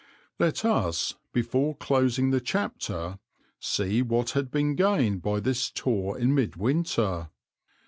Let us, before closing the chapter, see what had been gained by this tour in mid winter.